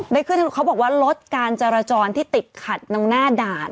ได้ขึ้นทางด่วนเขาบอกว่ารถการจรจรที่ติดขัดตรงหน้าด่าน